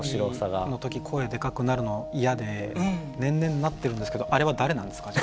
くしゃみの時声でかくなるの嫌で年々なってるんですけどあれは誰なんですかね？